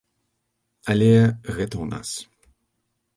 Але гэта ў нас.